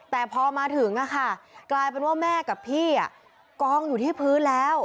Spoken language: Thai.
แต่พอมาถึงกลายเป็นว่าแม่กับพี่กองอยู่ที่พื้นแล้ว